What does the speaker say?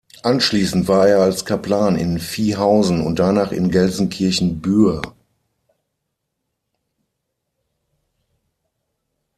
Anschließend war er als Kaplan in Viehhausen und danach in Gelsenkirchen-Buer.